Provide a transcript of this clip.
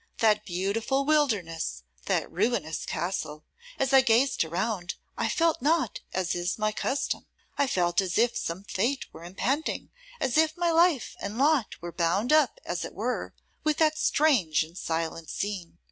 That beautiful wilderness, that ruinous castle! As I gazed around, I felt not as is my custom. I felt as if some fate were impending, as if my life and lot were bound up, as it were, with that strange and silent scene.